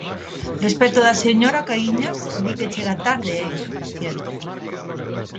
Respecto da señora Caíñas, di que chega tarde e é insuficiente.